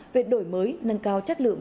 về đổi mới nâng cao chất lượng